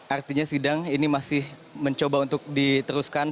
artinya sidang ini masih mencoba untuk diteruskan